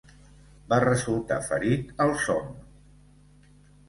Va resultar ferit al Somme.